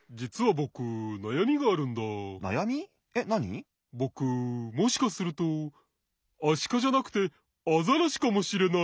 ぼくもしかするとアシカじゃなくてアザラシかもしれない。